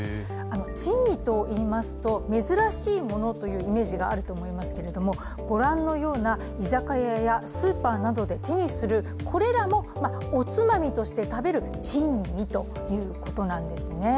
珍味といいますと、珍しいものというイメージがあると思いますけれどもご覧のような居酒屋やスーパーなどで手にする、これらもおつまみとして食べる珍味ということなんですね。